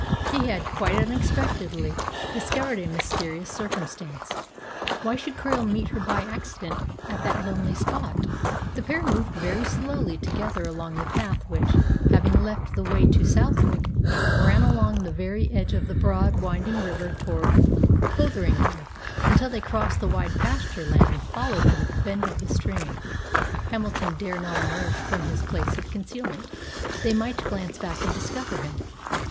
He had, quite unexpectedly, discovered a mysterious circumstance. Why should Krail meet her by accident at that lonely spot? The pair moved very slowly together along the path which, having left the way to Southwick, ran along the very edge of the broad, winding river towards Fotheringhay. Until they had crossed the wide pasture land and followed the bend of the stream Hamilton dare not emerge from his place of concealment. They might glance back and discover him.